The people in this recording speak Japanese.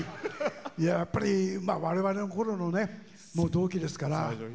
やっぱり、われわれのころの同期ですから。